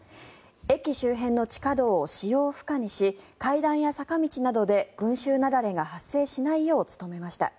駅周辺の地下道を使用不可にし階段や坂道などで群衆雪崩が発生しないよう努めました。